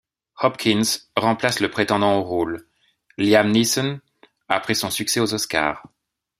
Hopkins remplace le prétendant au rôle, Liam Neeson, après son succès aux Oscars.